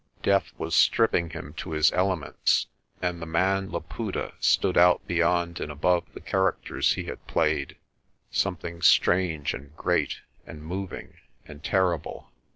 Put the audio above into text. Death was stripping him to his elements, and the man Laputa stood out beyond and above the characters he had played, something strange and great and moving and terrible.